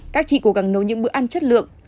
các chị cố gắng nấu những bữa ăn chất lượng